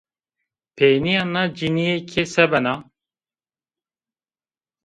Peynîya na cinîke se bena?